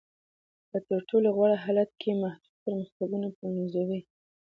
په تر ټولو غوره حالت کې محدود پرمختګونه پنځوي.